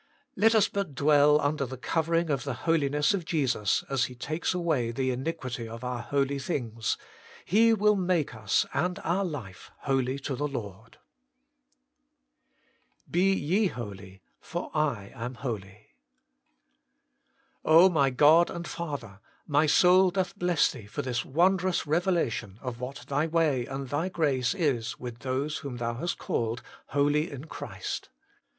Let us but dwell under the covering of the Holiness of Jesus, as He takes away the iniquity of our holy HOLINESS AND MEDIATION. 87 things, He will make us and our life holy to the Lord. BE YE HOLY, FOR I AM HOLY. O my God and Father ! my soul doth bless Thee for this wondrous revelation of what Thy way and Thy grace is with those whom Thou hast called ' Holy in Christ.'